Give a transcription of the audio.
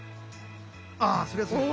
あそりゃそうだ。